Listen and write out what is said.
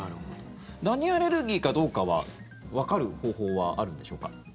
ダニアレルギーかどうかはわかる方法はあるんでしょうか？